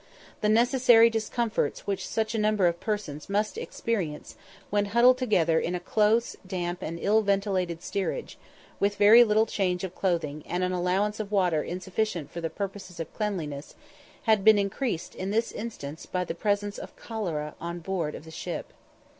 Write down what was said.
The necessary discomforts which such a number of persons must experience when huddled together in a close, damp, and ill ventilated steerage, with very little change of clothing, and an allowance of water insufficient for the purposes of cleanliness, had been increased in this instance by the presence of cholera on board of the ship.